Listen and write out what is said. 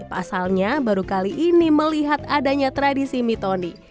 pasalnya baru kali ini melihat adanya tradisi mitoni